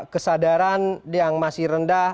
kesadaran yang masih rendah